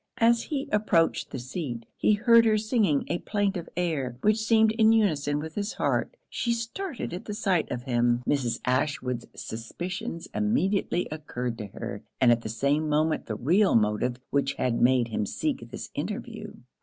As he approached the seat, he heard her singing a plaintive air, which seemed in unison with his heart. She started at the sight of him Mrs. Ashwood's suspicions immediately occurred to her, and at the same moment the real motive which had made him seek this interview.